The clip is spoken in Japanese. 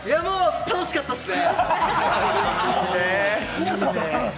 楽しかったっすね。